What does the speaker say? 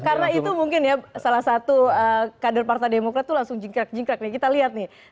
karena itu mungkin ya salah satu kader partai demokrat itu langsung jingkrak jingkrak nih kita lihat nih